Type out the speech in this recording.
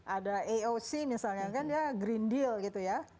ada aoc misalnya kan dia green deal gitu ya